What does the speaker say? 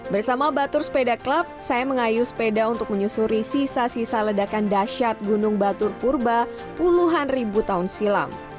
bersama batur sepeda club saya mengayu sepeda untuk menyusuri sisa sisa ledakan dasyat gunung batur purba puluhan ribu tahun silam